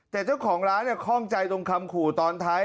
แต่เจ้าของร้านคล่องใจตรงคำขู่ตอนท้าย